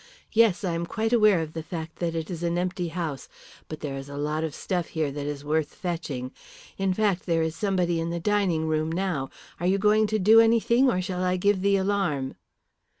Yes, I am quite aware of the fact that it is an empty house. But there is a lot of stuff here that is worth fetching. In fact, there is somebody in the dining room now. Are you going to do anything, or shall I give the alarm?"